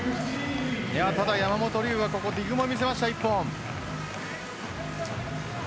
ただ山本龍はディグも見せました１本。